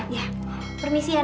iya permisi ya non